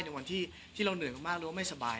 ในวันที่เราเหนื่อยมากหรือว่าไม่สบาย